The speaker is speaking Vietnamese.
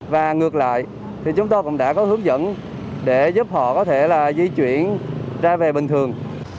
và ngược lại thì chúng tôi cũng đã có hướng dẫn để giúp họ có thể là di chuyển ra về bình thường